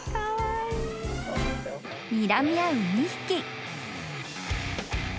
［にらみ合う２匹］